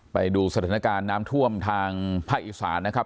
ไปดูสถานการณ์น้ำท่วมทางภาคอีสานนะครับ